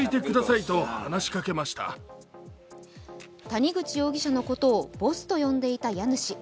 谷口容疑者のことをボスと呼んでいた家主。